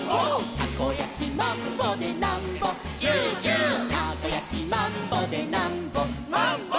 「たこやきマンボでなんぼチューチュー」「たこやきマンボでなんぼマンボ」